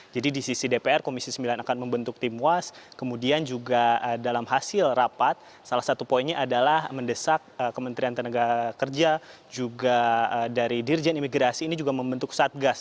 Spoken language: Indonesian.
jadi di sisi dpr komisi sembilan akan membentuk tim was kemudian juga dalam hasil rapat salah satu poinnya adalah mendesak kementerian tenaga kerja juga dari dirjen imigrasi ini juga membentuk satgas